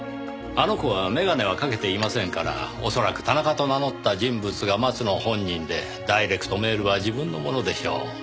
あの子は眼鏡はかけていませんから恐らく田中と名乗った人物が松野本人でダイレクトメールは自分のものでしょう。